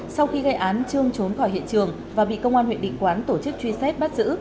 sau khi gây án trương trốn khỏi hiện trường và bị công an huyện định quán tổ chức truy xét bắt giữ